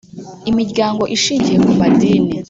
Imiryango ishingiye ku madini